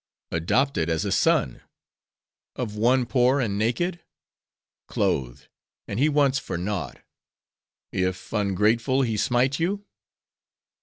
"Adopted as a son." "Of one poor, and naked?" "Clothed, and he wants for naught." "If ungrateful, he smite you?"